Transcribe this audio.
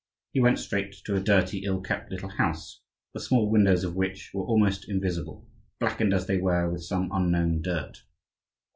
He went straight to a dirty, ill kept little house, the small windows of which were almost invisible, blackened as they were with some unknown dirt.